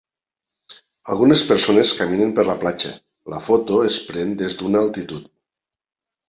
Algunes persones caminen per la platja, la foto es pren des d'una altitud